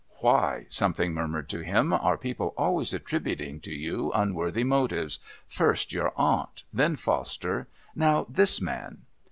(Why, something murmured to him, are people always attributing to you unworthy motives, first your aunt, then Foster, now this man?)